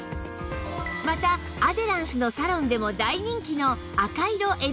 またアデランスのサロンでも大人気の赤色 ＬＥＤ も搭載